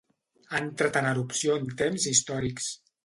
Ha entrat en erupció en temps històrics.